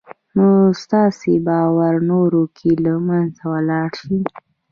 نو ستاسې باور نورو کې له منځه وړلای شي